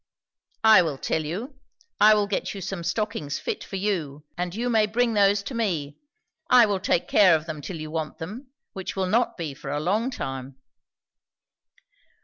"I will tell you. I will get you some stockings fit for you; and you may bring those to me. I will take care of them till you want them, which will not be for a long time."